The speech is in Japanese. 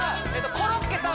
コロッケさん